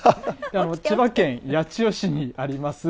千葉県八千代市にあります